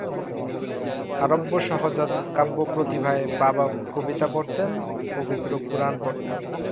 আরব্য সহজাত কাব্যপ্রতিভায় বাবা কবিতা পড়তেন, পবিত্র কুরআন পড়তেন।